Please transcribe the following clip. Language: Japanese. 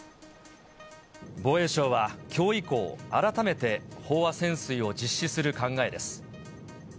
防衛省はきょう以降、改めて飽和潜水を実施する考えです。